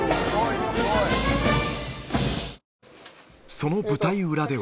その舞台裏では。